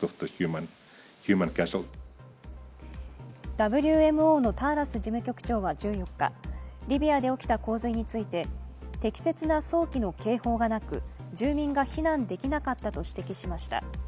ＷＭＯのターラス事務局長は１４日、リビアで起きた洪水について適切な早期の警報がなく、住民が避難できなかったと指摘しました。